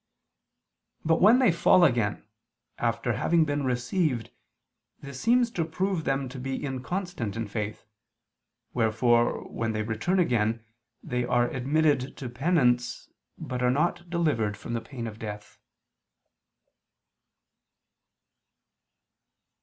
But when they fall again, after having been received, this seems to prove them to be inconstant in faith, wherefore when they return again, they are admitted to Penance, but are not delivered from the pain of death.